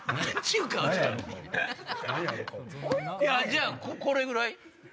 じゃあこれぐらい。